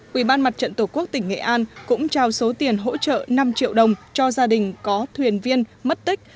quỹ ban mặt trận tổ quốc tỉnh nghệ an cũng trao số tiền hỗ trợ năm triệu đồng cho gia đình có thuyền viên mất tích